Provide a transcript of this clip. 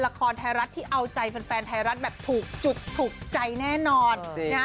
ละครไทยรัฐที่เอาใจแฟนไทยรัฐแบบถูกจุดถูกใจแน่นอน